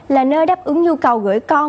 là nơi đáp ứng nhu cầu gửi con